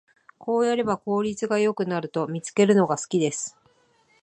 こうやれば効率が良くなると見つけるのが好きです